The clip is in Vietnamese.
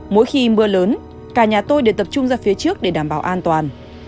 mỗi khi mưa lớn cả nhà tôi đều tập trung ra phía trước để đảm bảo an toàn